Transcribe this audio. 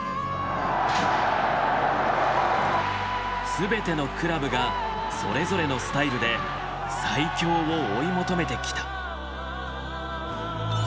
全てのクラブがそれぞれのスタイルで最強を追い求めてきた。